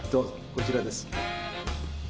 こちらです。